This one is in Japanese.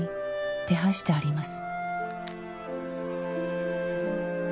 「手配してあります」